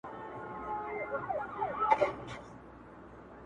له منظور پښتین سره -